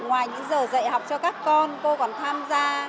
ngoài những giờ dạy học cho các con cô còn tham gia